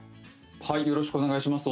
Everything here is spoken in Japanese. よろしくお願いします。